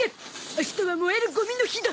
明日は燃えるゴミの日だ。